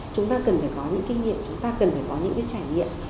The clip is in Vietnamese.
chúng ta cần phải có những kinh nghiệm chúng ta cần phải có những cái trải nghiệm